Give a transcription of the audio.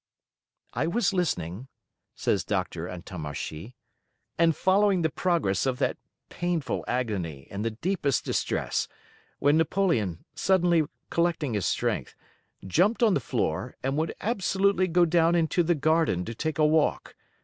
"I was listening," says Dr. Antommarchi, "and following the progress of that painful agony in the deepest distress, when Napoleon, suddenly collecting his strength, jumped on the floor, and would absolutely go down into the garden to take a walk.